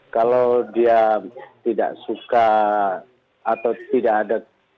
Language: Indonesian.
kalau dia tidak suka atau tidak ada